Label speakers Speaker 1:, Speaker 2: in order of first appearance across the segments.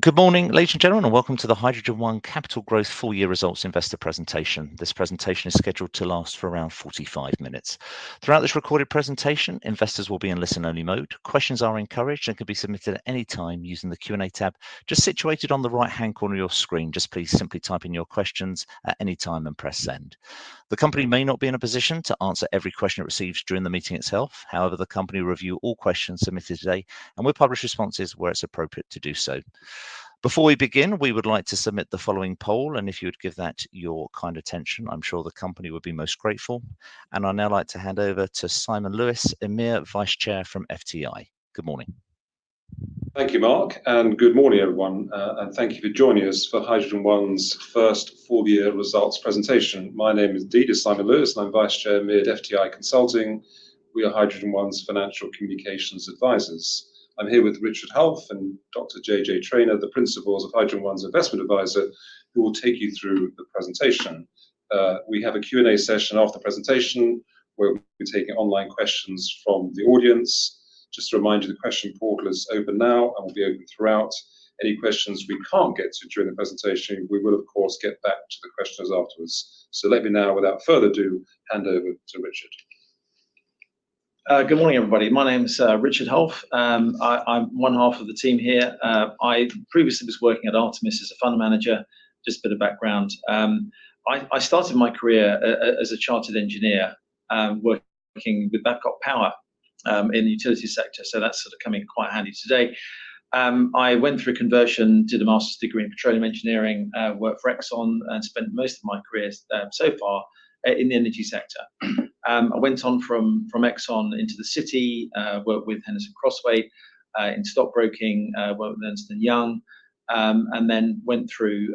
Speaker 1: Good morning, ladies and gentlemen, and welcome to the HydrogenOne Capital Growth full year results investor presentation. This presentation is scheduled to last for around 45 minutes. Throughout this recorded presentation, investors will be in listen only mode. Questions are encouraged and can be submitted at any time using the Q&A tab just situated on the right-hand corner of your screen. Just please simply type in your questions at any time and press send. The company may not be in a position to answer every question it receives during the meeting itself. However, the company will review all questions submitted today, and we'll publish responses where it's appropriate to do so. Before we begin, we would like to submit the following poll, and if you would give that your kind attention, I'm sure the company would be most grateful. I'd now like to hand over to Simon Lewis, EMEA Vice Chairman from FTI. Good morning.
Speaker 2: Thank you, Mark, and good morning, everyone, and thank you for joining us for HydrogenOne's first full year results presentation. My name is indeed Simon Lewis, and I'm Vice Chairman, EMEA at FTI Consulting. We are HydrogenOne's financial communications advisors. I'm here with Richard Hulf and Dr. JJ Traynor, the principals of HydrogenOne's investment advisor, who will take you through the presentation. We have a Q&A session after the presentation where we'll be taking online questions from the audience. Just to remind you, the question portal is open now and will be open throughout. Any questions we can't get to during the presentation, we will of course get back to the questioners afterwards. Let me now, without further ado, hand over to Richard.
Speaker 3: Good morning, everybody. My name is Richard Hulf. I'm H1 of the team here. I previously was working at Artemis as a fund manager. Just a bit of background, I started my career as a chartered engineer, working with Babcock Power, in the utility sector, so that's sort of come in quite handy today. I went through a conversion, did a master's degree in petroleum engineering, worked for Exxon and spent most of my career so far in the energy sector. I went on from Exxon into the city, worked with Henderson Crosthwaite, in stockbroking, worked with Ernst & Young, and then went through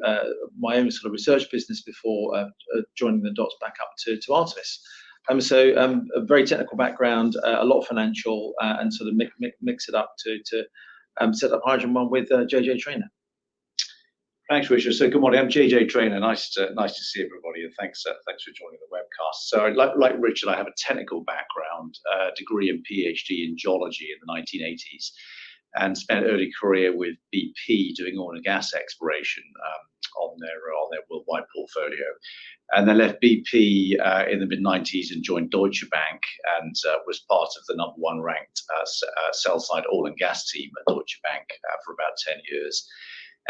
Speaker 3: my own sort of research business before joining the dots back up to Artemis. A very technical background, a lot financial, and sort of mix it up to set up HydrogenOne with JJ Traynor.
Speaker 4: Thanks, Richard. Good morning. I'm JJ Traynor. Nice to see everybody, and thanks for joining the webcast. Like Richard, I have a technical background, a degree and PhD in geology in the 1980s, and spent early career with BP doing oil and gas exploration, on their worldwide portfolio. Left BP, in the mid-1990s and joined Deutsche Bank and, was part of the number one ranked, sell side oil and gas team at Deutsche Bank, for about 10 years.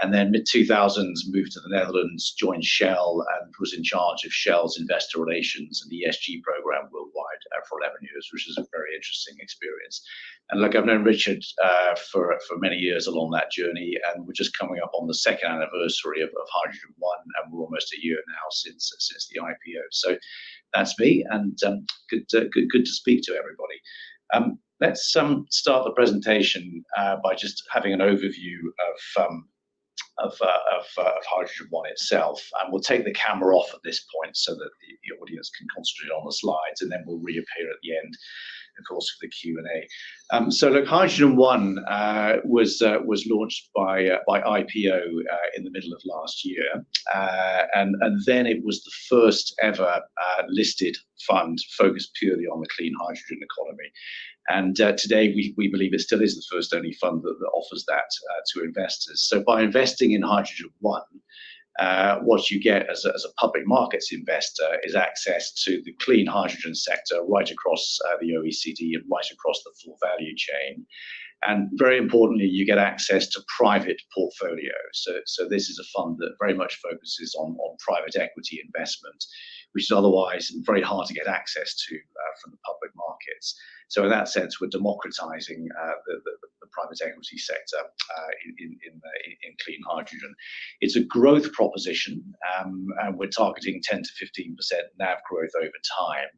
Speaker 4: Mid-2000s moved to the Netherlands, joined Shell and was in charge of Shell's investor relations and ESG program worldwide, for 11 years, which was a very interesting experience. Look, I've known Richard Hulf for many years along that journey, and we're just coming up on the second anniversary of HydrogenOne, and we're almost a year now since the IPO. That's me and good to speak to everybody. Let's start the presentation by just having an overview of HydrogenOne itself. We'll take the camera off at this point so that the audience can concentrate on the slides, and then we'll reappear at the end, of course, for the Q&A. Look, HydrogenOne was launched by IPO in the middle of last year. It was the first ever listed fund focused purely on the clean hydrogen economy. Today we believe it still is the first only fund that offers that to investors. By investing in HydrogenOne, what you get as a public markets investor is access to the clean hydrogen sector right across the OECD and right across the full value chain. Very importantly, you get access to private portfolios. This is a fund that very much focuses on private equity investment, which is otherwise very hard to get access to from the public markets. In that sense, we're democratizing the private equity sector in clean hydrogen. It's a growth proposition, and we're targeting 10%-15% NAV growth over time.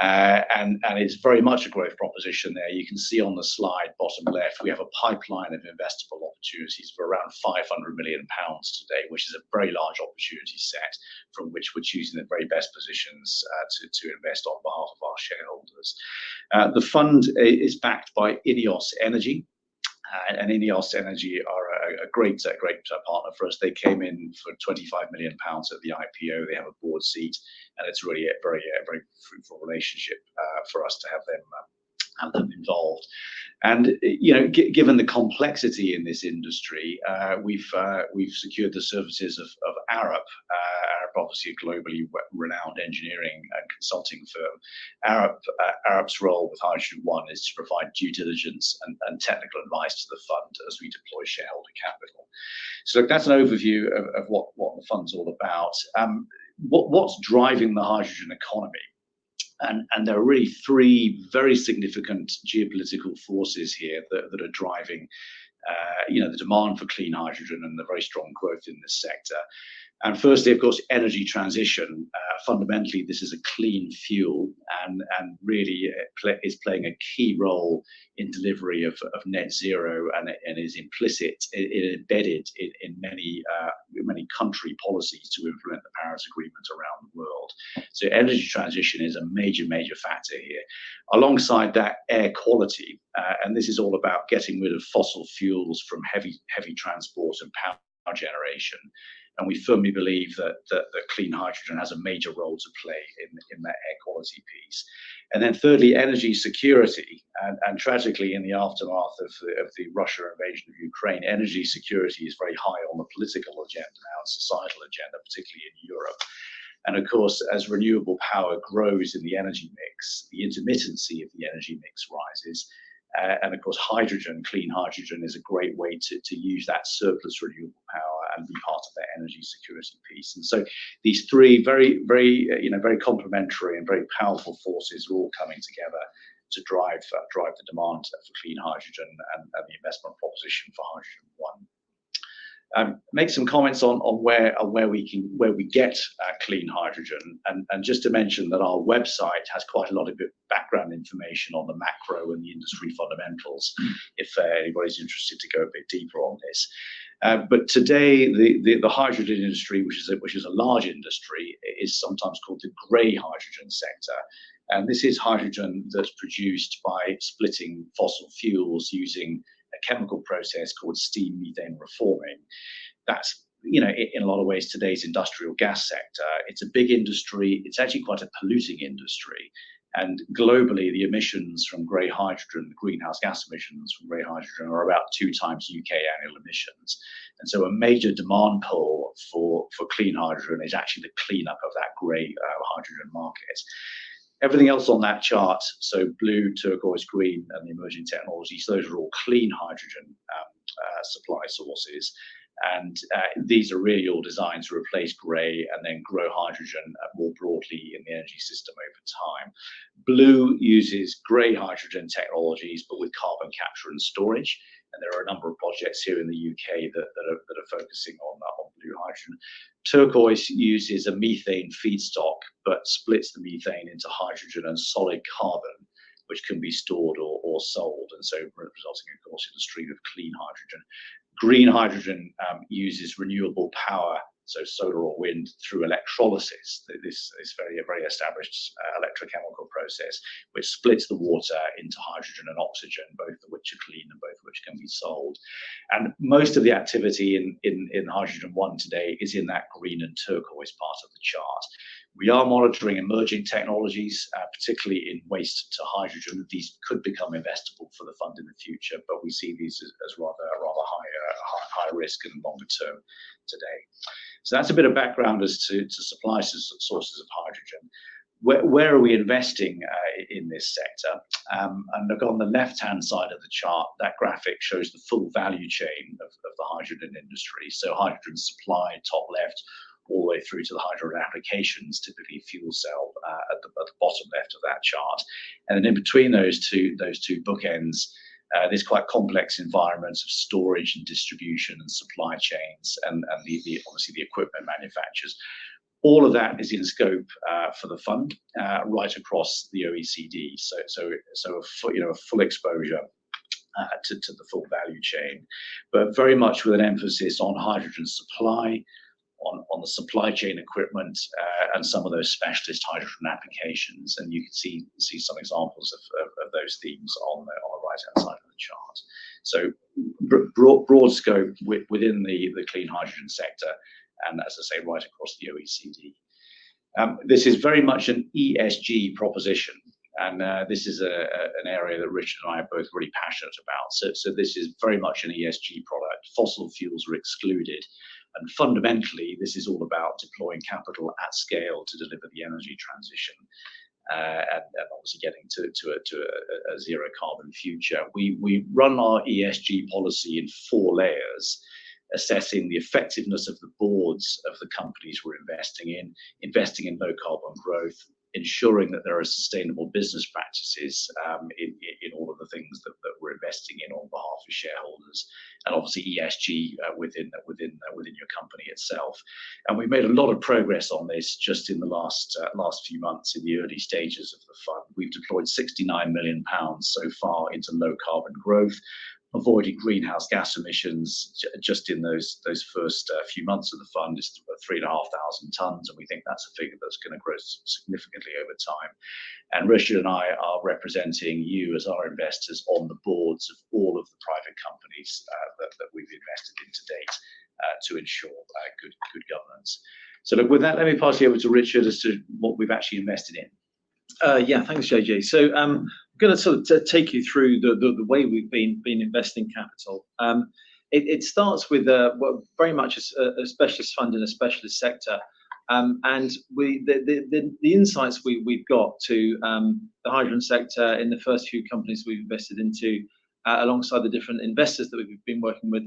Speaker 4: It's very much a growth proposition there. You can see on the slide bottom left, we have a pipeline of investable opportunities for around 500 million pounds today, which is a very large opportunity set from which we're choosing the very best positions to invest on behalf of our shareholders. The fund is backed by INEOS Energy, and INEOS Energy are a great partner for us. They came in for 25 million pounds at the IPO. They have a board seat, and it's really a very fruitful relationship for us to have them involved. Given the complexity in this industry, we've secured the services of Arup. Arup obviously a globally renowned engineering and consulting firm. Arup's role with HydrogenOne is to provide due diligence and technical advice to the fund as we deploy shareholder capital. That's an overview of what the fund's all about. What's driving the hydrogen economy? There are really three very significant geopolitical forces here that are driving the demand for clean hydrogen and the very strong growth in this sector. Firstly, of course, energy transition. Fundamentally, this is a clean fuel and really is playing a key role in delivery of net zero and is implicit, embedded in many country policies to implement the Paris Agreement around the world. Energy transition is a major factor here. Alongside that, air quality, and this is all about getting rid of fossil fuels from heavy transport and power generation, and we firmly believe that the clean hydrogen has a major role to play in that air quality piece. Then thirdly, energy security and tragically in the aftermath of the Russia invasion of Ukraine, energy security is very high on the political agenda, our societal agenda, particularly in Europe. Of course, as renewable power grows in the energy mix, the intermittency of the energy mix rises. Of course, hydrogen, clean hydrogen is a great way to use that surplus renewable power and be part of that energy security piece. These three very complementary and very powerful forces are all coming together to drive the demand for clean hydrogen and the investment proposition for HydrogenOne. Make some comments on where we get clean hydrogen and just to mention that our website has quite a lot of good background information on the macro and the industry fundamentals if anybody's interested to go a bit deeper on this. Today the hydrogen industry, which is a large industry, is sometimes called the gray hydrogen sector. This is hydrogen that's produced by splitting fossil fuels using a chemical process called steam methane reforming. That's in a lot of ways today's industrial gas sector. It's a big industry. It's actually quite a polluting industry. Globally the emissions from gray hydrogen, the greenhouse gas emissions from gray hydrogen are about 2 times U.K. annual emissions. A major demand pull for clean hydrogen is actually the cleanup of that gray hydrogen market. Everything else on that chart, blue, turquoise, green and the emerging technologies, those are all clean hydrogen supply sources. These are really all designed to replace gray and then grow hydrogen more broadly in the energy system over time. Blue uses gray hydrogen technologies but with carbon capture and storage. There are a number of projects here in the U.K. that are focusing on blue hydrogen. Turquoise uses a methane feedstock but splits the methane into hydrogen and solid carbon which can be stored or sold and so resulting of course in a stream of clean hydrogen. Green hydrogen uses renewable power, so solar or wind through electrolysis. This is a very established electrochemical process which splits the water into hydrogen and oxygen, both of which are clean and both of which can be sold. Most of the activity in HydrogenOne today is in that green and turquoise part of the chart. We are monitoring emerging technologies, particularly in waste to hydrogen. These could become investable for the fund in the future, but we see these as rather high risk and longer term today. That's a bit of background as to supply sources of hydrogen. Where are we investing in this sector? Look on the left-hand side of the chart. That graphic shows the full value chain of the hydrogen industry. Hydrogen supply top left all the way through to the hydrogen applications, typically fuel cell, at the bottom left of that chart. In between those two bookends, this quite complex environment of storage and distribution and supply chains and the obviously the equipment manufacturers. All of that is in scope for the fund right across the OECD. A full exposure to the full value chain. Very much with an emphasis on hydrogen supply, on the supply chain equipment, and some of those specialist hydrogen applications. You can see some examples of those themes on the right-hand side of the chart. Broad scope within the clean hydrogen sector and as I say right across the OECD. This is very much an ESG proposition and this is an area that Richard and I are both really passionate about. This is very much an ESG product. Fossil fuels are excluded and fundamentally this is all about deploying capital at scale to deliver the energy transition and obviously getting to a zero carbon future. We run our ESG policy in four layers assessing the effectiveness of the boards of the companies we're investing in, investing in low carbon growth, ensuring that there are sustainable business practices in all of the things that we're investing in on behalf of shareholders and obviously ESG within your company itself. We've made a lot of progress on this just in the last few months in the early stages of the fund. We've deployed 69 million pounds so far into low carbon growth, avoiding greenhouse gas emissions just in those first few months of the fund is 3,500 tons and we think that's a figure that's gonna grow significantly over time. Richard and I are representing you as our investors on the boards of all of the private companies that we've invested in to date to ensure good governance. Look with that let me pass you over to Richard as to what we've actually invested in.
Speaker 3: Yeah, thanks, JJ. Gonna sort of take you through the way we've been investing capital. It starts with well, very much a specialist fund in a specialist sector. The insights we've got into the hydrogen sector in the first few companies we've invested into, alongside the different investors that we've been working with,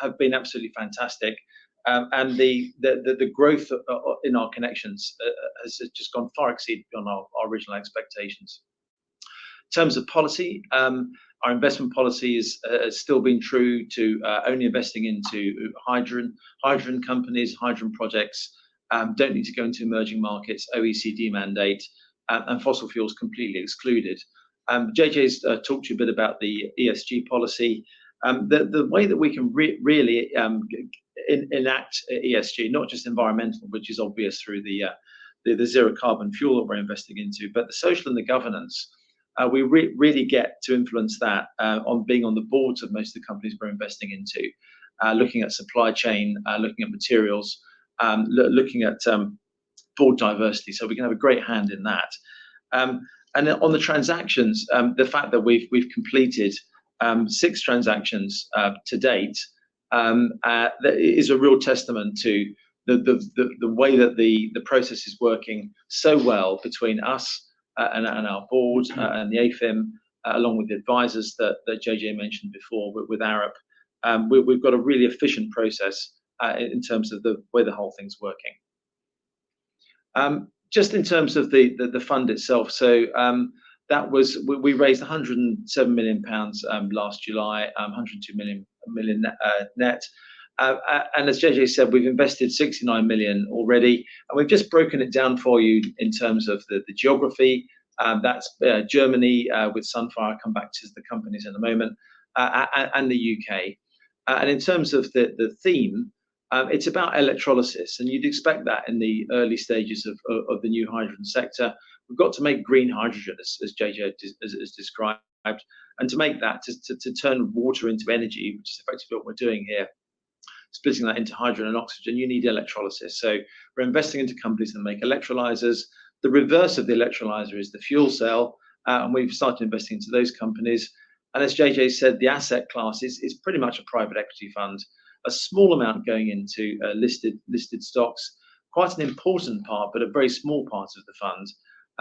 Speaker 3: have been absolutely fantastic. The growth in our connections has just far exceeded our original expectations. In terms of policy, our investment policy has still been true to only investing into hydrogen companies, hydrogen projects. Don't need to go into emerging markets, OECD mandate, and fossil fuels completely excluded. JJ's talked to you a bit about the ESG policy. The way that we can really enact ESG not just environmental which is obvious through the zero carbon fuel that we're investing into, but the social and the governance. We really get to influence that on being on the boards of most of the companies we're investing into, looking at supply chain, looking at materials, looking at board diversity, so we can have a great hand in that. On the transactions, the fact that we've completed six transactions to date is a real testament to the way that the process is working so well between us and our board and the AIFM along with the advisors that JJ mentioned before with Arup. We've got a really efficient process in terms of the way the whole thing's working. Just in terms of the fund itself, we raised 107 million pounds, 102 million net. As JJ said, we've invested 69 million already, and we've just broken it down for you in terms of the geography. That's Germany with Sunfire. I'll come back to the companies in a moment, and the UK. In terms of the theme, it's about electrolysis, and you'd expect that in the early stages of the new hydrogen sector. We've got to make green hydrogen, as JJ described. To make that, to turn water into energy, which is effectively what we're doing here, splitting that into hydrogen and oxygen, you need electrolysis. We're investing into companies that make electrolyzers. The reverse of the electrolyzer is the fuel cell, and we've started investing into those companies. As JJ said, the asset class is pretty much a private equity fund. A small amount going into listed stocks. Quite an important part, but a very small part of the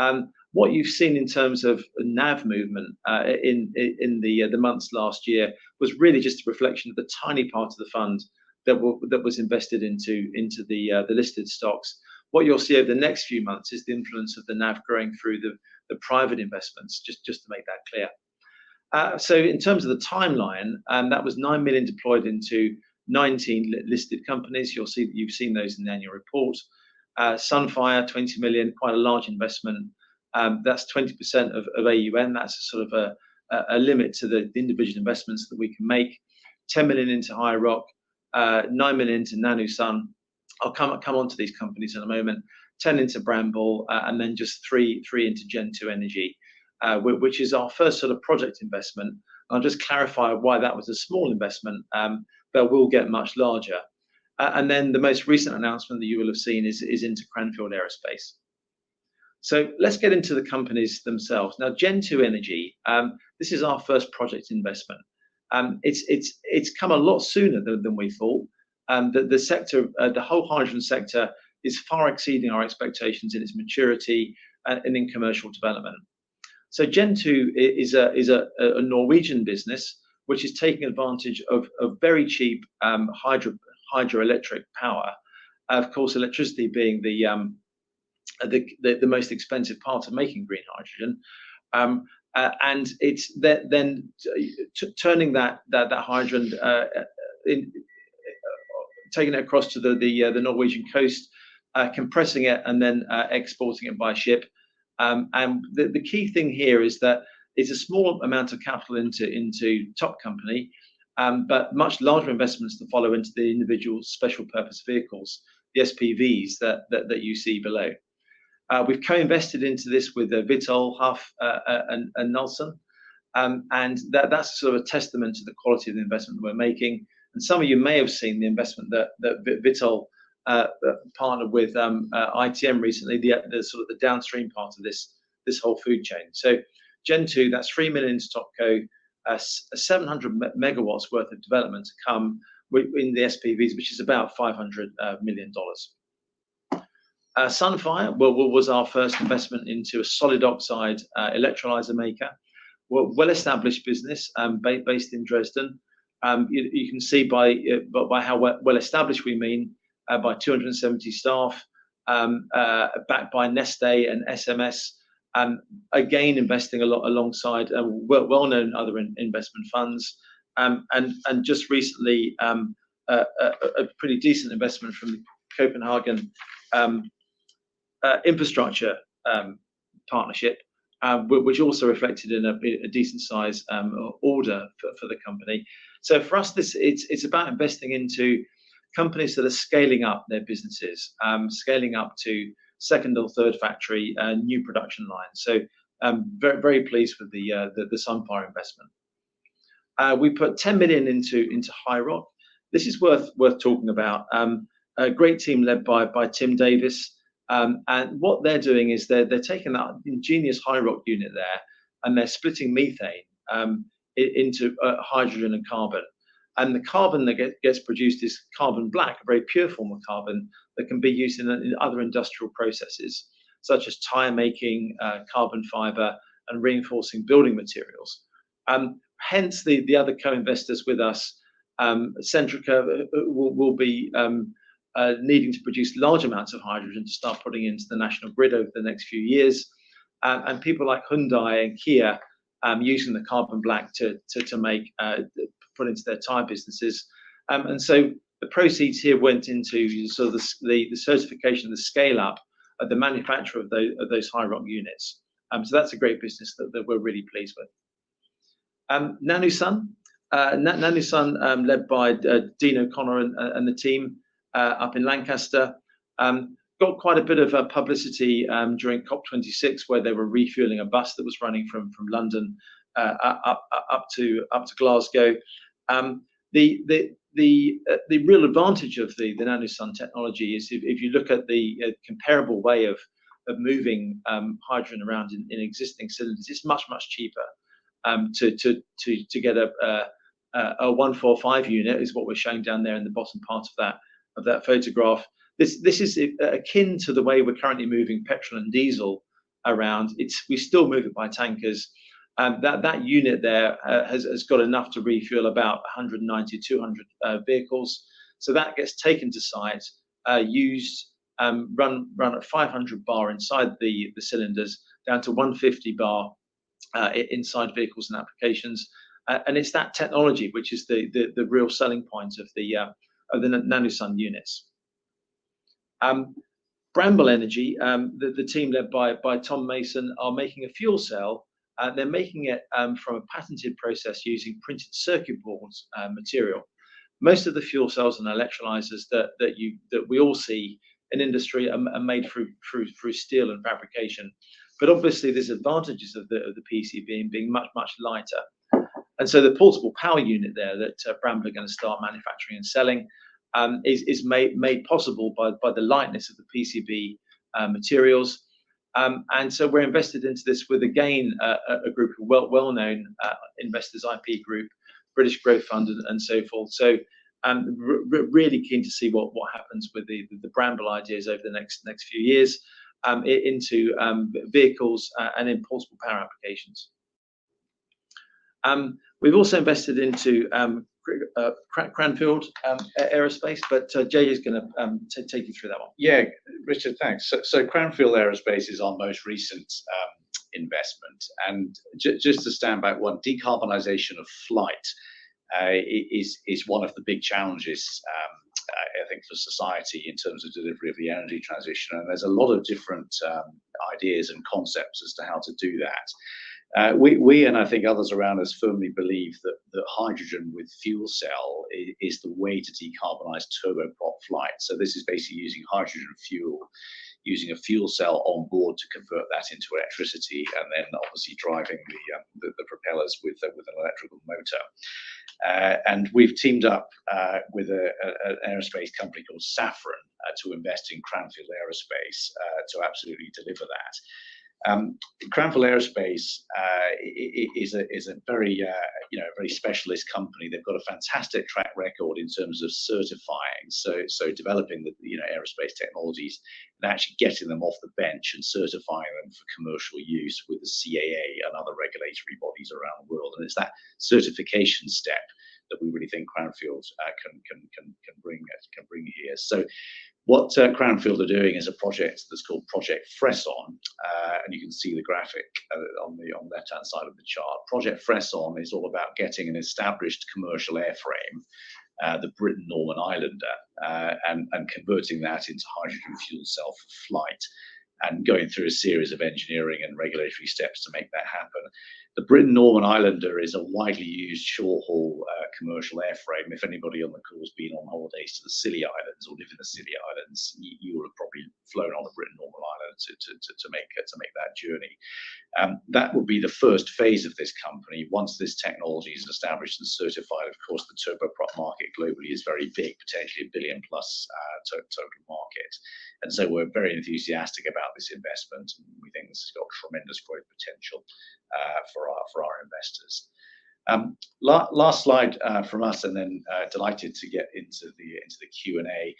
Speaker 3: fund. What you've seen in terms of NAV movement in the months last year was really just a reflection of the tiny part of the fund that was invested into the listed stocks. What you'll see over the next few months is the influence of the NAV growing through the private investments, just to make that clear. In terms of the timeline, that was 9 million deployed into 19 listed companies. You've seen those in the annual report. Sunfire, 20 million, quite a large investment. That's 20% of AUM. That's sort of a limit to the individual investments that we can make. 10 million into HiiROC, 9 million to NanoSUN. I'll come onto these companies in a moment. 10 into Bramble, and then just 3 into Gen2 Energy, which is our first sort of project investment. I'll just clarify why that was a small investment, but will get much larger. The most recent announcement that you will have seen is into Cranfield Aerospace. Let's get into the companies themselves. Now, Gen2 Energy, this is our first project investment. It's come a lot sooner than we thought. The whole hydrogen sector is far exceeding our expectations in its maturity and in commercial development. Gen2 is a Norwegian business which is taking advantage of very cheap hydroelectric power. Of course, electricity being the most expensive part of making green hydrogen. It's then turning that hydrogen, taking it across to the Norwegian coast, compressing it and then exporting it by ship. The key thing here is that it's a small amount of capital into top company, but much larger investments that follow into the individual special purpose vehicles, the SPVs that you see below. We've co-invested into this with Vitol, Hulf, and Nelson, and that's sort of a testament to the quality of the investment we're making. Some of you may have seen the investment that Vitol partnered with ITM recently, the sort of downstream part of this whole fuel chain. Gen2, that's 3 million into top co. 700 MW worth of development to come in the SPVs, which is about $500 million. Sunfire was our first investment into a solid oxide electrolyzer maker. Well-established business based in Dresden. You can see by how well-established we mean by 270 staff, backed by Neste and SMS, again investing a lot alongside well-known other investment funds. Just recently a pretty decent investment from Copenhagen Infrastructure Partners, which also reflected in a decent size order for the company. For us, this is about investing into companies that are scaling up their businesses, scaling up to second or third factory, new production lines. I'm very, very pleased with the Sunfire investment. We put 10 million into HiiROC. This is worth talking about. A great team led by Tim Davies. What they're doing is they're taking that ingenious HiiROC unit there, and they're splitting methane into hydrogen and carbon. The carbon that gets produced is carbon black, a very pure form of carbon that can be used in other industrial processes, such as tire making, carbon fiber and reinforcing building materials. Hence the other co-investors with us. Centrica will be needing to produce large amounts of hydrogen to start putting into the national grid over the next few years. People like Hyundai and Kia using the carbon black to put into their tire businesses. The proceeds here went into sort of the certification, the scale-up of the manufacturer of those HiiROC units. That's a great business that we're really pleased with. NanoSUN, led by Dean O'Connor and the team up in Lancaster, got quite a bit of publicity during COP26, where they were refueling a bus that was running from London up to Glasgow. The real advantage of the NanoSUN technology is if you look at the comparable way of moving hydrogen around in existing cylinders, it's much cheaper to get a 145 unit, which is what we're showing down there in the bottom part of that photograph. This is akin to the way we're currently moving petrol and diesel around. It's. We still move it by tankers. That unit there has got enough to refuel about 190-200 vehicles. So that gets taken to site, used, run at 500 bar inside the cylinders, down to 150 bar inside vehicles and applications. It's that technology which is the real selling point of the NanoSUN units. Bramble Energy, the team led by Tom Mason, are making a fuel cell, and they're making it from a patented process using printed circuit boards material. Most of the fuel cells and electrolyzers that we all see in industry are made through steel and fabrication. Obviously there's advantages of the PCB in being much lighter. The portable power unit there that Bramble are gonna start manufacturing and selling is made possible by the lightness of the PCB materials. We're invested into this with, again, a group of well-known investors, IP Group, British Growth Fund and so forth. Really keen to see what happens with the Bramble ideas over the next few years into vehicles and in portable power applications. We've also invested into Cranfield Aerospace, but JJ is gonna take you through that one.
Speaker 4: Yeah. Richard, thanks. Cranfield Aerospace is our most recent investment. Just to stand back one, decarbonization of flight is one of the big challenges I think for society in terms of delivery of the energy transition, and there's a lot of different ideas and concepts as to how to do that. We and I think others around us firmly believe that hydrogen with fuel cell is the way to decarbonize turboprop flight. This is basically using hydrogen fuel, using a fuel cell on board to convert that into electricity, and then obviously driving the propellers with an electrical motor. We've teamed up with an aerospace company called Safran to invest in Cranfield Aerospace to absolutely deliver that. Cranfield Aerospace is a very specialist company. They've got a fantastic track record in terms of certifying, so developing the aerospace technologies and actually getting them off the bench and certifying them for commercial use with the CAA and other regulatory bodies around the world. It's that certification step that we really think Cranfield can bring here. What Cranfield are doing is a project that's called Project Fresson. You can see the graphic on the left-hand side of the chart. Project Fresson is all about getting an established commercial airframe, the Britten-Norman Islander, and converting that into hydrogen fuel cell for flight and going through a series of engineering and regulatory steps to make that happen. The Britten-Norman Islander is a widely used short-haul, commercial airframe. If anybody on the call has been on holidays to the Scilly Islands or live in the Scilly Islands, you will have probably flown on a Britten-Norman Islander to make that journey. That will be the Phase I of this company. Once this technology is established and certified, of course, the turboprop market globally is very big, potentially a 1 billion-plus total market. We're very enthusiastic about this investment, and we think this has got tremendous growth potential for our investors. Last slide from us and then delighted to get into the Q&A.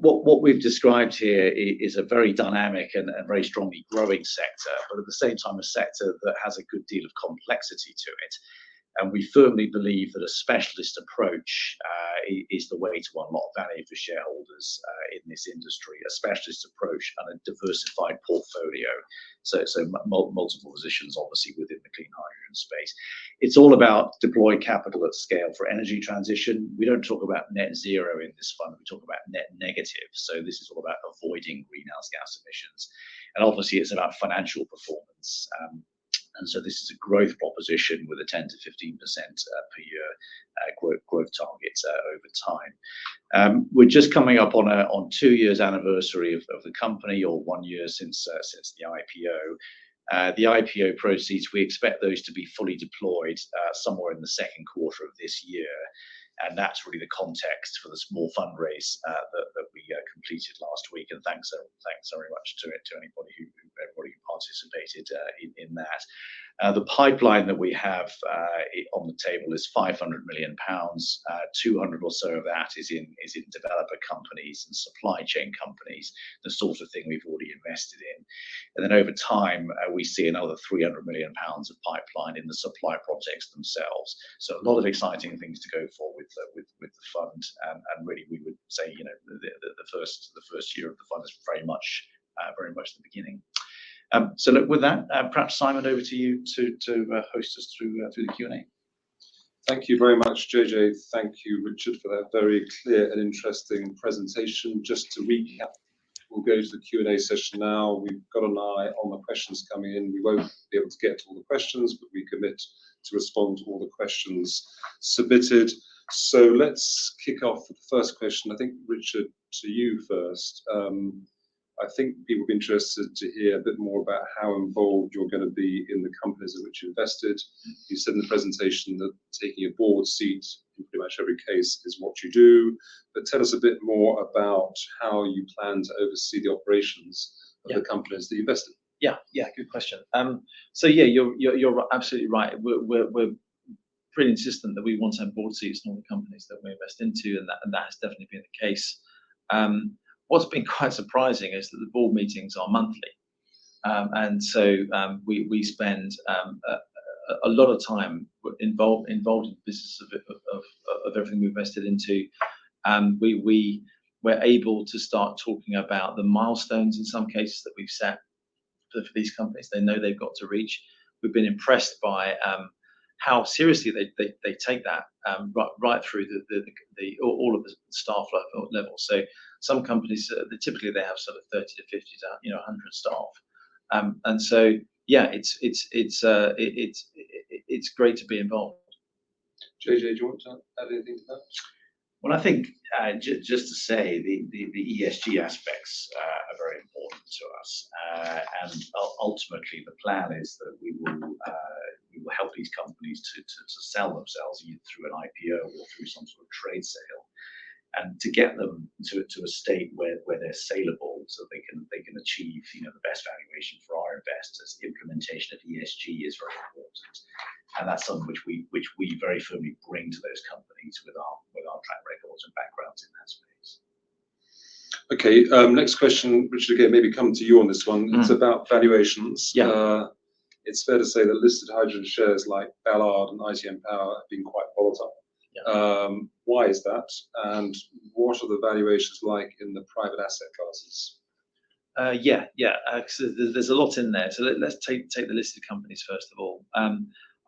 Speaker 4: What we've described here is a very dynamic and very strongly growing sector, but at the same time a sector that has a good deal of complexity to it. We firmly believe that a specialist approach is the way to unlock value for shareholders in this industry, a specialist approach and a diversified portfolio, so multiple positions obviously within the clean hydrogen space. It's all about deploying capital at scale for energy transition. We don't talk about net zero in this fund. We talk about net negative, so this is all about avoiding greenhouse gas emissions, and obviously it's about financial performance. This is a growth proposition with 10%-15% per year growth targets over time. We're just coming up on a two-year anniversary of the company, or one year since the IPO. The IPO proceeds, we expect those to be fully deployed somewhere in the Q2 of this year, and that's really the context for the small fundraise that we completed last week, and thanks very much to anybody who participated in that. The pipeline that we have on the table is 500 million pounds. 200 or so of that is in developer companies and supply chain companies, the sort of thing we've already invested in. Over time, we see another 300 million pounds of pipeline in the supply projects themselves. A lot of exciting things to go for with the fund, and really we would say the first year of the fund is very much the beginning. Look, with that, perhaps, Simon, over to you to host us through the Q&A.
Speaker 2: Thank you very much, JJ. Thank you, Richard, for that very clear and interesting presentation. Just to recap, we'll go to the Q&A session now. We've got an eye on the questions coming in. We won't be able to get to all the questions, but we commit to respond to all the questions submitted. So let's kick off with the first question. I think, Richard, to you first. I think people will be interested to hear a bit more about how involved you're gonna be in the companies in which you invested. You said in the presentation that taking a board seat in pretty much every case is what you do. Tell us a bit more about how you plan to oversee the operations-
Speaker 3: Yeah.
Speaker 2: of the companies that you invest in.
Speaker 3: Yeah, yeah, good question. Yeah, you're absolutely right. We're pretty insistent that we want to have board seats in all the companies that we invest into, and that has definitely been the case. What's been quite surprising is that the board meetings are monthly. We spend a lot of time involved in the business of everything we've invested into. We're able to start talking about the milestones in some cases that we've set for these companies they know they've got to reach. We've been impressed by how seriously they take that right through the all of the staff or level. Some companies typically have sort of 30 to 50 to 100 staff. Yeah, it's great to be involved.
Speaker 2: JJ, do you want to add anything to that?
Speaker 4: Well, I think just to say the ESG aspects are very important to us. Ultimately the plan is that we will help these companies to sell themselves through an IPO or through some sort of trade sale. To get them to a state where they're saleable so they can achieve the best valuation for our investors, the implementation of ESG is very important. That's something which we very firmly bring to those companies with our track records and backgrounds in that space.
Speaker 2: Okay. Next question, Richard, again maybe coming to you on this one.
Speaker 3: Mm-hmm.
Speaker 2: It's about valuations.
Speaker 3: Yeah.
Speaker 2: It's fair to say that listed hydrogen shares like Ballard and ITM Power have been quite volatile.
Speaker 3: Yeah.
Speaker 2: Why is that? What are the valuations like in the private asset classes?
Speaker 3: Yeah, yeah. There's a lot in there. Let's take the listed companies first of all.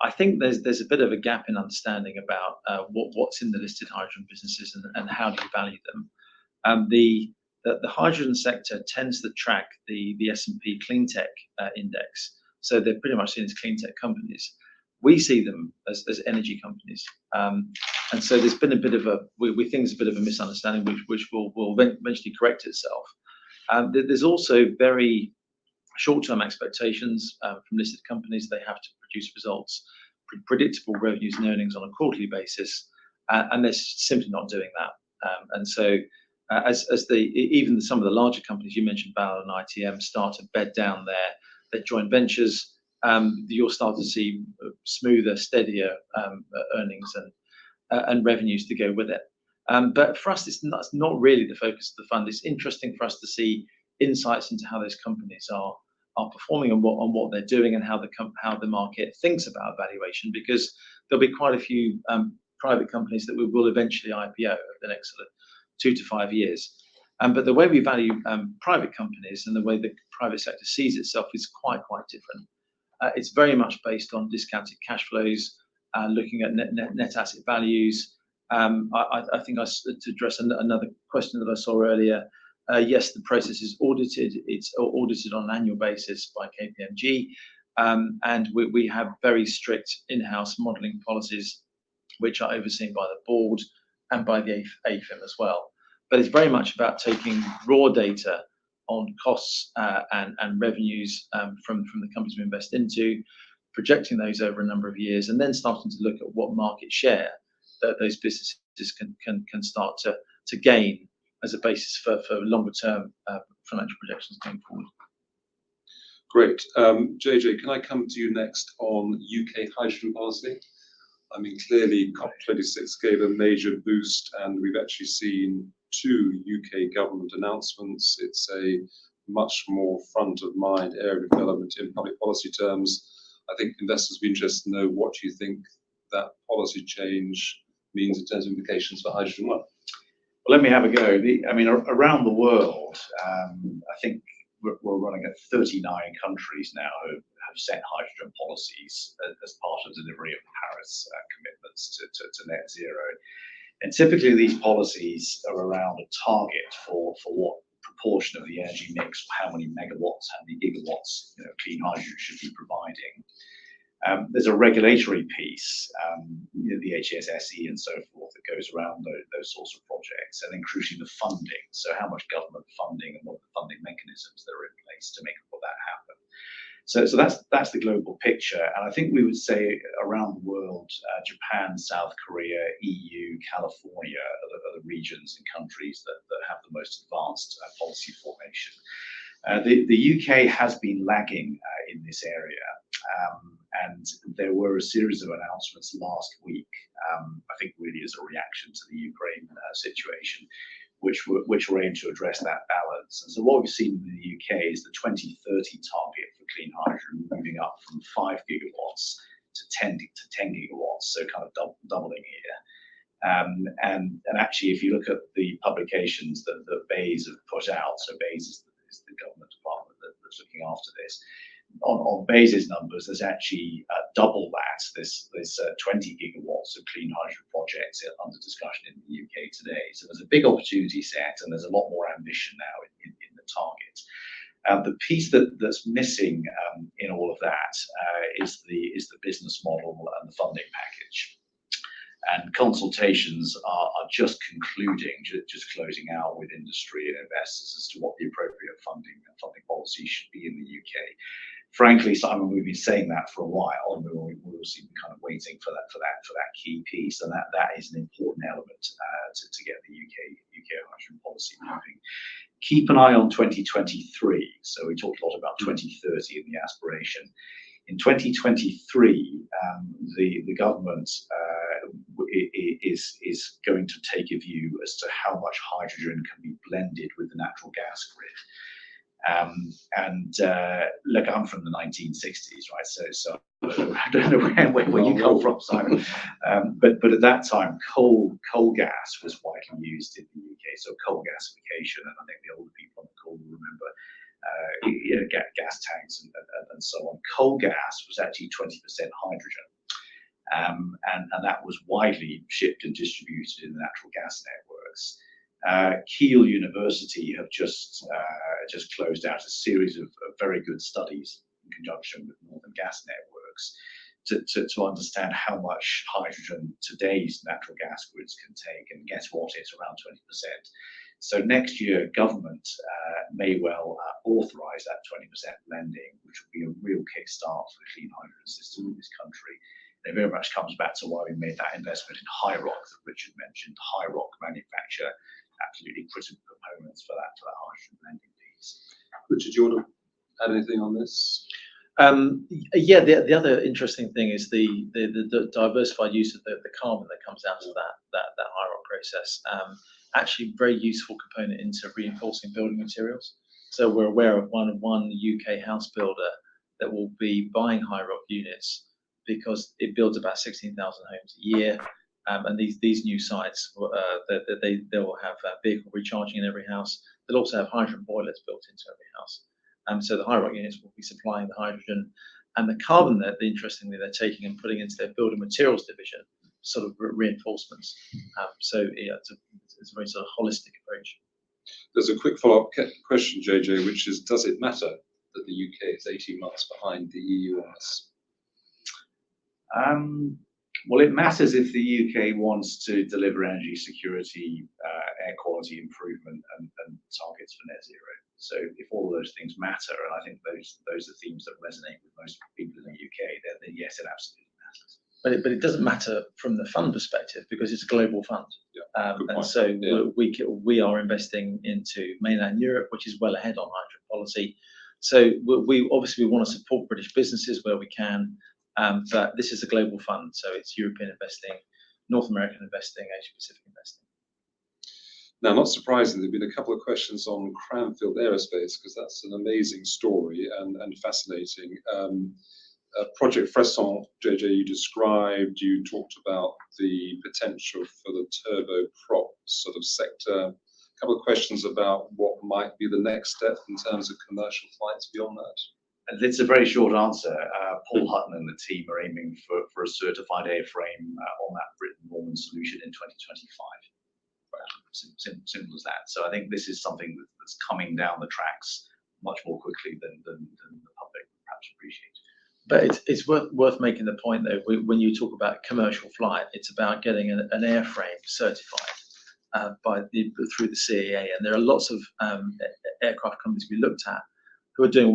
Speaker 3: I think there's a bit of a gap in understanding about what's in the listed hydrogen businesses and how do you value them. The hydrogen sector tends to track the S&P Global Clean Energy Index. They're pretty much seen as clean tech companies. We see them as energy companies. We think there's a bit of a misunderstanding which will eventually correct itself. There's also very short-term expectations from listed companies. They have to produce results, predictable revenues and earnings on a quarterly basis. They're simply not doing that. Even some of the larger companies you mentioned, Ballard and ITM, start to bed down their joint ventures, you'll start to see smoother, steadier earnings and revenues to go with it. For us, that's not really the focus of the fund. It's interesting for us to see insights into how those companies are performing on what they're doing and how the market thinks about valuation, because there'll be quite a few private companies that we will eventually IPO over the next two-five years. The way we value private companies and the way the private sector sees itself is quite different. It's very much based on discounted cash flows, looking at net asset values. I think to address another question that I saw earlier, yes, the process is audited. It's audited on an annual basis by KPMG. We have very strict in-house modeling policies which are overseen by the board and by the AIFM as well. It's very much about taking raw data on costs and revenues from the companies we invest into, projecting those over a number of years, and then starting to look at what market share that those businesses can start to gain as a basis for longer term financial projections going forward.
Speaker 2: Great. JJ, can I come to you next on U.K. hydrogen policy? I mean, clearly COP26 gave a major boost, and we've actually seen two U.K. government announcements. It's a much more front-of-mind area of development in public policy terms. I think investors will be interested to know what you think that policy change means in terms of implications for hydrogen.
Speaker 4: Well, well, let me have a go. I mean, around the world, I think we're running at 39 countries now who have set hydrogen policies as part of delivery of Paris commitments to net zero. Typically these policies are around a target for what proportion of the energy mix or how many megawatts, how many gigawatts clean hydrogen should be providing. There's a regulatory piece the HSSE and so forth that goes around those sorts of projects. Then crucially the funding, so how much government funding and what are the funding mechanisms that are in place to make all that happen. That's the global picture. I think we would say around the world, Japan, South Korea, EU, California, other regions and countries that have the most advanced policy formation. The U.K. has been lagging in this area. There were a series of announcements last week, I think really as a reaction to the Ukraine situation, which were aimed to address that balance. What we've seen in the U.K. is the 2030 target for clean hydrogen moving up from 5 GW to 10 GW, so kind of doubling it, yeah. Actually if you look at the publications that the BEIS have put out, so BEIS is the government that's looking after this. On BEIS' numbers, there's actually double that. There's 20 gigawatts of clean hydrogen projects under discussion in the U.K. today. There's a big opportunity set, and there's a lot more ambition now in the target. The piece that's missing in all of that is the business model and the funding package. Consultations are just concluding, just closing out with industry and investors as to what the appropriate funding and funding policy should be in the U.K. Frankly, Simon, we've been saying that for a while, and we're obviously kind of waiting for that key piece, and that is an important element to get the U.K. hydrogen policy moving. Keep an eye on 2023. We talked a lot about 2030 and the aspiration. In 2023, the government is going to take a view as to how much hydrogen can be blended with the natural gas grid. Look, I'm from the 1960s, right? I don't know where you come from, Simon.
Speaker 2: Well, cool.
Speaker 4: At that time, coal gas was widely used in the U.K., so coal gasification, and I think the older people on the call will remember gas tanks and so on. Coal gas was actually 20% hydrogen, and that was widely shipped and distributed in the natural gas networks. Keele University have just closed out a series of very good studies in conjunction with Northern Gas Networks to understand how much hydrogen today's natural gas grids can take, and guess what? It's around 20%. Next year, government may well authorize that 20% blending, which will be a real kickstart for the clean hydrogen system in this country. It very much comes back to why we made that investment in HiiROC, which you'd mentioned. HiiROC manufacture absolutely critical components for that hydrogen blending piece.
Speaker 2: Richard, do you wanna add anything on this?
Speaker 3: Yeah, the other interesting thing is the diversified use of the carbon that comes out of that HiiROC process, actually a very useful component into reinforcing building materials. We're aware of one U.K. house builder that will be buying HiiROC units because it builds about 16,000 homes a year. These new sites, they will have vehicle recharging in every house. They'll also have hydrogen boilers built into every house. The HiiROC units will be supplying the hydrogen, and the carbon there, interestingly, they're taking and putting into their building materials division, sort of reinforcements. Yeah, it's a very sort of holistic approach.
Speaker 2: There's a quick follow-up question, JJ, which is: Does it matter that the U.K. is 18 months behind the U.S.?
Speaker 4: Well, it matters if the U.K. wants to deliver energy security, air quality improvement, and targets for net zero. If all those things matter, and I think those are themes that resonate with most people in the U.K., then yes, it absolutely matters.
Speaker 3: It doesn't matter from the fund perspective because it's a global fund.
Speaker 4: Yeah. Good point. Yeah.
Speaker 3: We are investing into mainland Europe, which is well ahead on hydrogen policy. We obviously wanna support British businesses where we can, but this is a global fund, so it's European investing, North American investing, Asia-Pacific investing.
Speaker 2: Now, not surprisingly, there's been a couple of questions on Cranfield Aerospace, 'cause that's an amazing story and fascinating. Project Fresson, JJ, you described, you talked about the potential for the turboprop sort of sector. A couple of questions about what might be the next step in terms of commercial flights beyond that.
Speaker 4: It's a very short answer. Paul Hutton and the team are aiming for a certified airframe on that Britten-Norman solution in 2025.
Speaker 2: Wow.
Speaker 4: Simple as that. I think this is something that that's coming down the tracks much more quickly than the public perhaps appreciate.
Speaker 3: It's worth making the point, though, when you talk about commercial flight, it's about getting an airframe certified through the CAA. There are lots of aircraft companies we looked at who are doing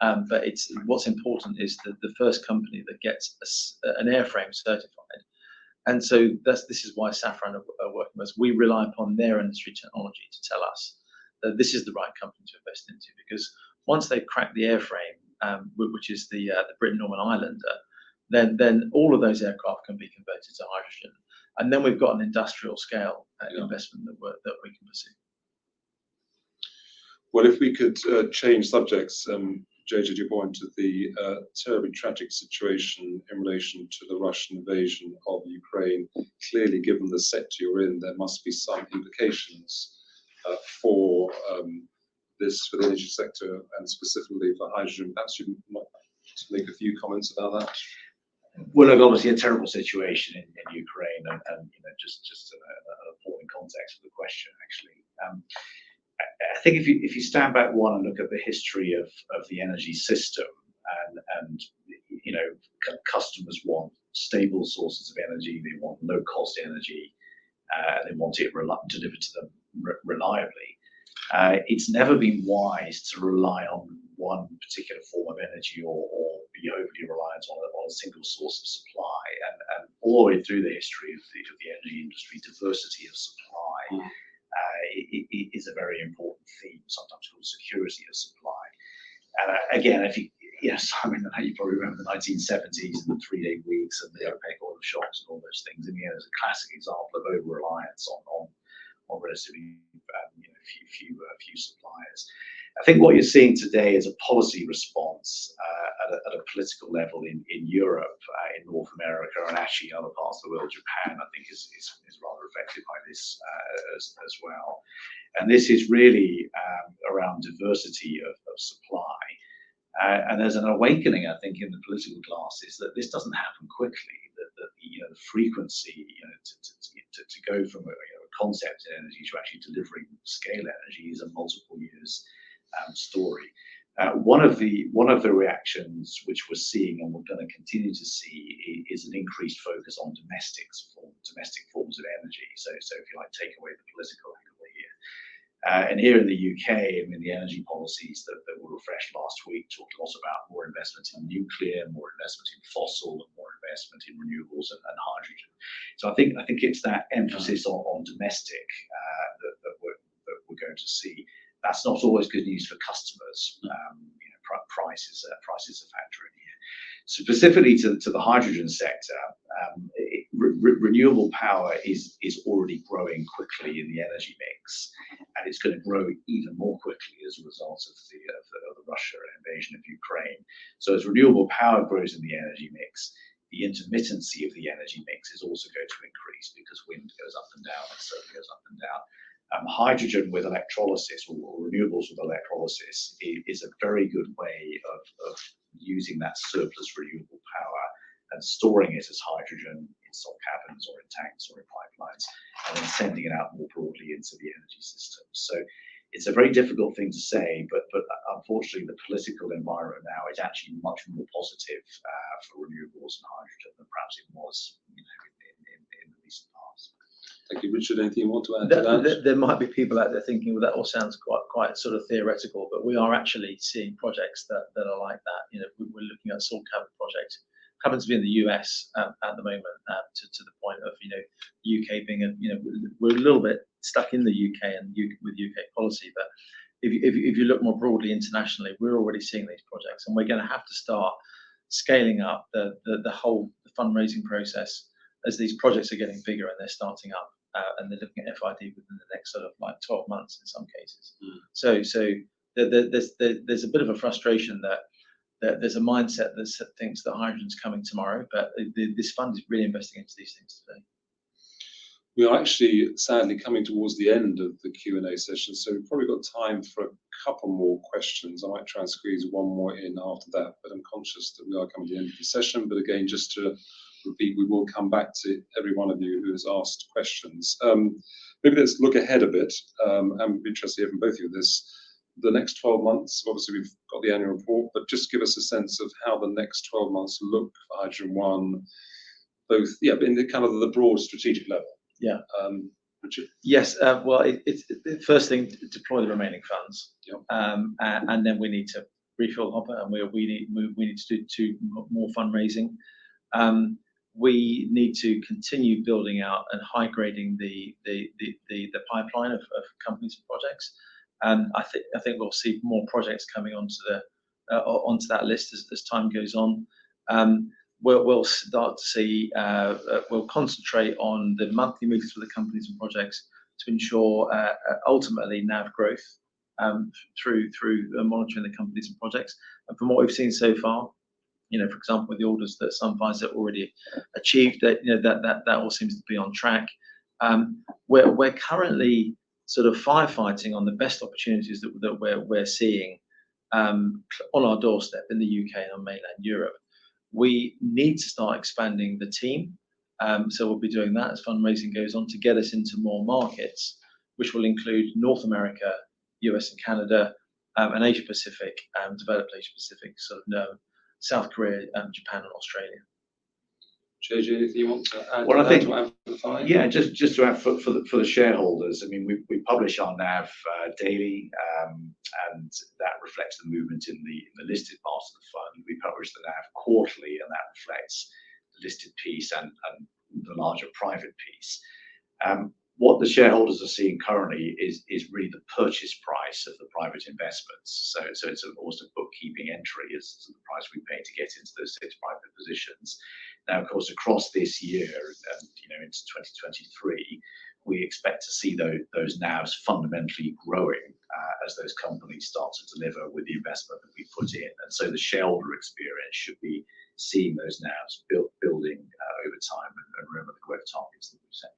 Speaker 3: one-offs. What's important is that the first company that gets an airframe certified. This is why Safran are working with us. We rely upon their industry technology to tell us that this is the right company to invest into. Because once they crack the airframe, which is the Britten-Norman Islander, then all of those aircraft can be converted to hydrogen, and then we've got an industrial scale-
Speaker 4: Yeah...
Speaker 3: investment that we can pursue.
Speaker 2: Well, if we could change subjects. JJ, do you want to turn to the terribly tragic situation in relation to the Russian invasion of Ukraine? Clearly, given the sector you're in, there must be some implications for this, for the energy sector and specifically for hydrogen. Perhaps you might like to make a few comments about that.
Speaker 4: Well, look, obviously a terrible situation in Ukraine and just a poor context of the question actually. I think if you stand back and look at the history of the energy system and customers want stable sources of energy, they want low-cost energy, they want it delivered to them reliably. It's never been wise to rely on one particular form of energy or be overly reliant on a single source of supply. All the way through the history of the energy industry, diversity of supply is a very important theme, sometimes called security of supply. Again, if you... Yes, Simon, I know you probably remember the 1970s and the three-day weeks and the empty board shops and all those things, and there's a classic example of over-reliance on relatively few suppliers. I think what you're seeing today is a policy response at a political level in Europe, in North America, and actually other parts of the world. Japan, I think, is rather affected by this as well. This is really around diversity of supply. There's an awakening, I think, in the political classes that this doesn't happen quickly. That the frequency to go from a a concept in energy to actually delivering scale energy is a multiple years story. One of the reactions which we're seeing, and we're gonna continue to see, is an increased focus on domestic forms of energy. If you like, take away the political angle here. Here in the U.K., I mean, the energy policies that were refreshed last week talked a lot about more investment in nuclear, more investment in fossil, more investment in renewables and hydrogen. I think it's that emphasis on domestic that we're going to see. That's not always good news for customers. Price is a factor in here. Specifically to the hydrogen sector, renewable power is already growing quickly in the energy mix, and it's gonna grow even more quickly as a result of the Russian invasion of Ukraine. As renewable power grows in the energy mix, the intermittency of the energy mix is also going to increase because wind goes up and down and sun goes up and down. Hydrogen with electrolysis or renewables with electrolysis is a very good way of using that surplus renewable power and storing it as hydrogen in salt caverns or in tanks or in pipelines, and then sending it out more broadly into the energy system. It's a very difficult thing to say, but unfortunately, the political environment now is actually much more positive for renewables and hydrogen than perhaps it was in the recent past.
Speaker 2: Thank you. Richard, anything you want to add to that?
Speaker 3: There might be people out there thinking, "Well, that all sounds quite sort of theoretical," but we are actually seeing projects that are like that. We're looking at salt cavern projects. Caverns being in the U.S. at the moment to the point of U.K. being a... We're a little bit stuck in the U.K. with U.K. policy. If you look more broadly internationally, we're already seeing these projects and we're gonna have to start scaling up the whole fundraising process as these projects are getting bigger and they're starting up and they're looking at FID within the next sort of like 12 months in some cases.
Speaker 2: Mm.
Speaker 3: There's a bit of a frustration that there's a mindset that thinks that hydrogen's coming tomorrow, but this fund is really investing into these things today.
Speaker 2: We are actually sadly coming towards the end of the Q&A session, so we've probably got time for a couple more questions. I might try and squeeze one more in after that, but I'm conscious that we are coming to the end of the session. Again, just to repeat, we will come back to every one of you who has asked questions. Maybe let's look ahead a bit, and I'd be interested to hear from both of you on this. The next 12 months, obviously we've got the annual report, but just give us a sense of how the next 12 months look for HydrogenOne, both yeah, but in the kind of the broad strategic level.
Speaker 3: Yeah.
Speaker 2: Richard?
Speaker 3: Yes. Well, it's first thing, deploy the remaining funds.
Speaker 2: Yep.
Speaker 3: We need to refill up and we need to do two more fundraising. We need to continue building out and high-grading the pipeline of companies and projects. I think we'll see more projects coming onto that list as time goes on. We'll concentrate on the monthly movers for the companies and projects to ensure ultimately NAV growth through monitoring the companies and projects. From what we've seen so far for example, with the orders that Sunfire's already achieved that all seems to be on track. We're currently sort of firefighting on the best opportunities that we're seeing on our doorstep in the U.K. and on mainland Europe. We need to start expanding the team, so we'll be doing that as fundraising goes on to get us into more markets, which will include North America, U.S. and Canada, and Asia-Pacific, developed Asia-Pacific, so known South Korea and Japan and Australia.
Speaker 2: JJ, anything you want to add to that as well?
Speaker 4: Well, I think.
Speaker 2: For the fund?
Speaker 4: Yeah. Just to add for the shareholders, I mean, we publish our NAV daily, and that reflects the movement in the listed parts of the fund. We publish the NAV quarterly, and that reflects the listed piece and the larger private piece. What the shareholders are seeing currently is really the purchase price of the private investments. It's, of course, a bookkeeping entry as to the price we paid to get into those 6 private positions. Now, of course, across this year and into 2023, we expect to see those NAVs fundamentally growing, as those companies start to deliver with the investment that we put in. The shareholder experience should be seeing those NAVs building over time and remember the growth targets that we've set for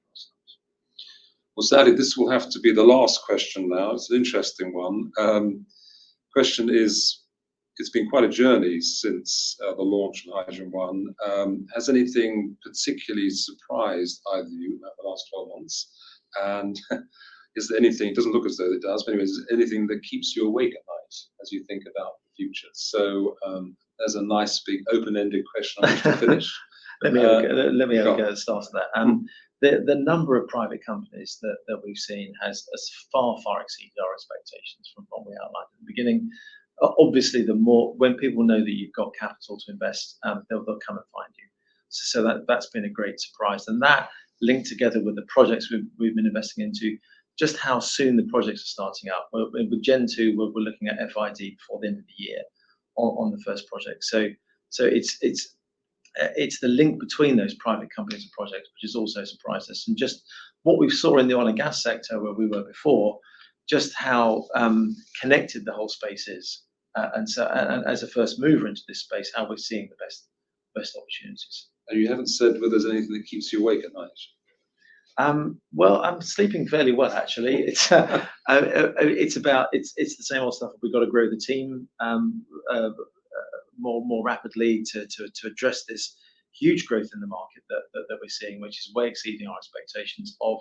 Speaker 4: ourselves.
Speaker 2: Well, sadly, this will have to be the last question now. It's an interesting one. Question is, it's been quite a journey since the launch of HydrogenOne. Has anything particularly surprised either of you over the last 12 months? And is there anything, it doesn't look as though it does, but anyways, is there anything that keeps you awake at night as you think about the future? There's a nice big open-ended question on which to finish.
Speaker 3: Let me have a go.
Speaker 2: Go on.
Speaker 3: Let me have a go and start on that. The number of private companies that we've seen has far exceeded our expectations from what we outlined at the beginning. Obviously, when people know that you've got capital to invest, they'll come and find you. That's been a great surprise. That linked together with the projects we've been investing into just how soon the projects are starting up. With Gen2 Energy, we're looking at FID before the end of the year on the first project. It's the link between those private companies and projects which has also surprised us and just what we saw in the oil and gas sector where we were before, just how connected the whole space is. As a first mover into this space, how we're seeing the best opportunities.
Speaker 2: You haven't said whether there's anything that keeps you awake at night.
Speaker 3: Well, I'm sleeping fairly well, actually. It's the same old stuff. We've got to grow the team more rapidly to address this huge growth in the market that we're seeing, which is way exceeding our expectations of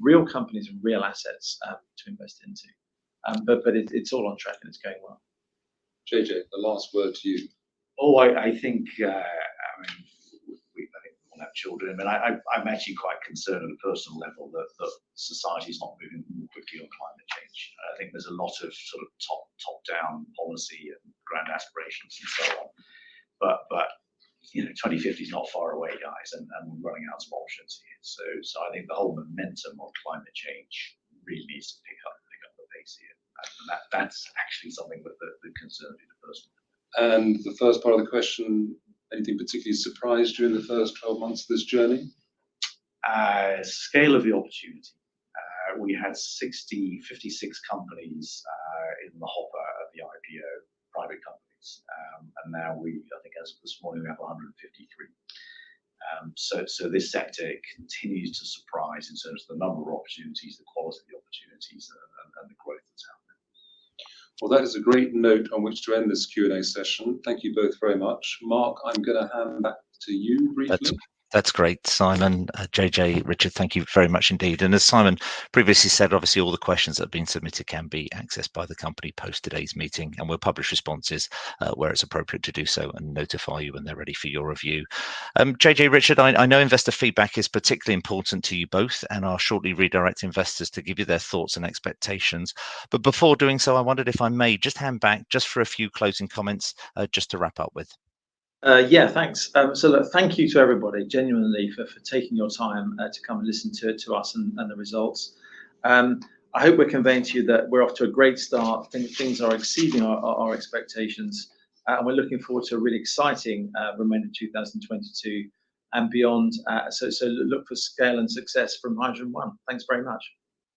Speaker 3: real companies and real assets to invest into. It's all on track and it's going well.
Speaker 2: JJ, the last word to you.
Speaker 4: Oh, I think, I mean, we both have children, but I'm actually quite concerned on a personal level that society is not moving quickly on climate change. I think there's a lot of sort of top-down policy and grand aspirations and so on. But 2050 is not far away, guys, and we're running out of options here. So I think the whole momentum of climate change really needs to pick up the pace here. That actually something that concerns me the most.
Speaker 2: The first part of the question, anything particularly surprised you in the first 12 months of this journey?
Speaker 4: Scale of the opportunity. We had 56 companies in the hopper at the IPO, private companies. Now I think as of this morning, we have 153. This sector continues to surprise in terms of the number of opportunities, the quality of the opportunities and the growth that's happening.
Speaker 2: Well, that is a great note on which to end this Q&A session. Thank you both very much. Mark, I'm gonna hand back to you briefly.
Speaker 1: That's great. Simon, JJ, Richard, thank you very much indeed. As Simon previously said, obviously all the questions that have been submitted can be accessed by the company post today's meeting, and we'll publish responses, where it's appropriate to do so and notify you when they're ready for your review. JJ, Richard, I know investor feedback is particularly important to you both and I'll shortly redirect investors to give you their thoughts and expectations. Before doing so, I wondered if I may just hand back just for a few closing comments, just to wrap up with.
Speaker 3: Yeah, thanks. Thank you to everybody, genuinely, for taking your time to come and listen to us and the results. I hope we're conveying to you that we're off to a great start. Things are exceeding our expectations, and we're looking forward to a really exciting remainder of 2022 and beyond. Look for scale and success from HydrogenOne. Thanks very much.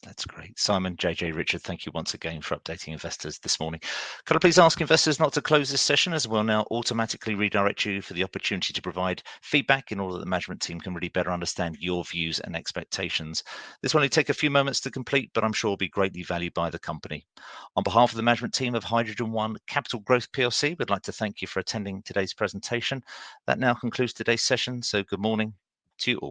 Speaker 1: That's great. Simon, JJ, Richard, thank you once again for updating investors this morning. Could I please ask investors not to close this session as we'll now automatically redirect you for the opportunity to provide feedback in order that the management team can really better understand your views and expectations. This will only take a few moments to complete, but I'm sure will be greatly valued by the company. On behalf of the management team of HydrogenOne Capital Growth plc, we'd like to thank you for attending today's presentation. That now concludes today's session, so good morning to you all.